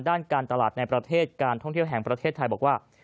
ด้านการตลาดในประเทศการท่องเที่ยวแห่งประเทศไทยบอกว่า